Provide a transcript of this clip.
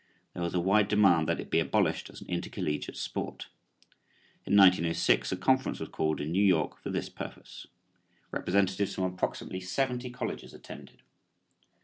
There was a wide demand that it be abolished as an intercollegiate sport. In 1906 a conference was called in New York for this purpose. Representatives from approximately seventy colleges attended.